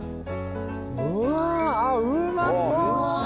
うわあっうまそう。